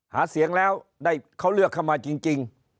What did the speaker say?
หาเสียงแล้วได้เขาเลือกเข้ามาจริง